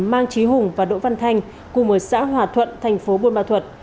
mang trí hùng và đỗ văn thanh cùng ở xã hòa thuận thành phố buôn ma thuật